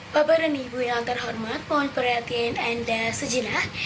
bapak dan ibu yang terhormat mohon perhatian anda sejenak